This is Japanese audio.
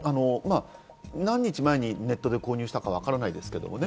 何日か前にネットで購入したかわからないですけどね。